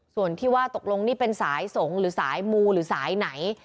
ส่วนที่ว่าตกลงนี่เป็นสายสงฆ์หรือสายมูหรือสายไหน